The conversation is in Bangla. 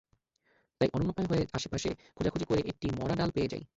তাই অনন্যোপায় হয়ে আশপাশে খোঁজাখুঁজি করে একটি মড়া ডাল পেয়ে যাই।